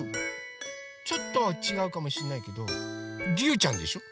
ちょっとはちがうかもしんないけどりゅうちゃんでしょ？